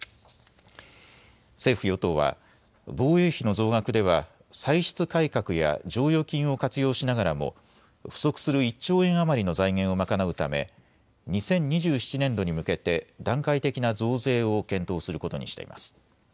政府与党は防衛費の増額では歳出改革や剰余金を活用しながらも不足する１兆円余りの財源を賄うため２０２７年度に向けて段階的な増税を検討することにしています。